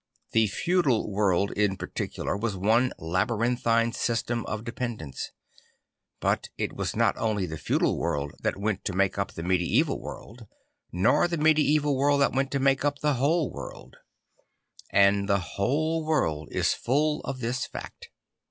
The feudal world in particular was one labyrinthine system of dependence; but it was not only the feudal world that went to make up the medieval world nor the medieval world that went to make up the whole world; and the whole world is full of this fact.